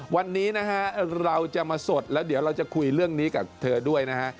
วันนี้นะฮะเราจะมาสดแล้วเดี๋ยวเราจะคุยเรื่องนี้กับเธอด้วยนะฮะ